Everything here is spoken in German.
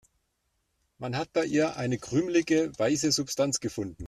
Man hat bei ihr eine krümelige, weiße Substanz gefunden.